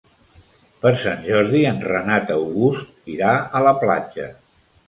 Per Sant Jordi en Renat August irà a la platja.